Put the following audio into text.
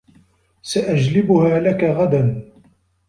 سأجلبها لك غدا.